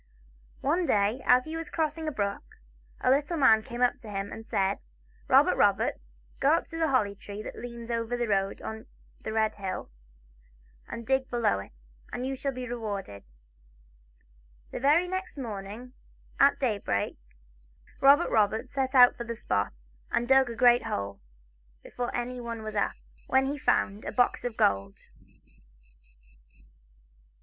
One day, as he was crossing a brook, a little man came up to him and said :" Robert Roberts, go up to the holly tree ihat leans over the road on the Red hill, and dig below it, and you shall be rewarded." The very next morning, at daybreak, Robert Roberts set out for the spot, and dug a great hole, before anyone was up, when he found a box of gold.